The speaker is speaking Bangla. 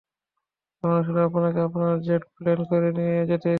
আমরা শুধু আপনাকে আপনার জেট প্লেনে করে নিয়ে যেতে এসেছি!